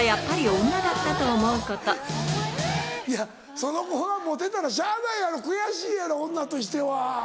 その子がモテたらしゃあないやろ悔しいやろ女としては。